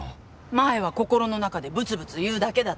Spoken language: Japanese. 前は心の中でブツブツ言うだけだったのに。